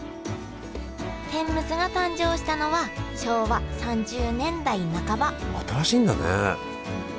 天むすが誕生したのは昭和３０年代半ば新しいんだね。